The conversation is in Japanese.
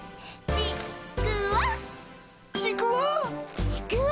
ちくわ。